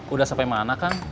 udah sampai mana kan